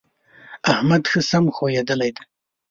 احمد ښه سم ښويېدلی دی.